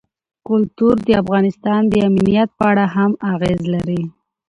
کلتور د افغانستان د امنیت په اړه هم اغېز لري.